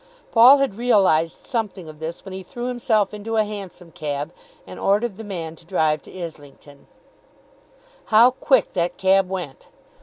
Paul had realised something of this when he threw himself into a Hansom cab, and ordered the man to drive him to Islington. How quick that cab went!